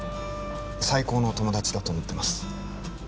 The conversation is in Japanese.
最高の友達だと思ってます